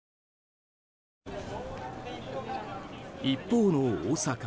一方の大阪。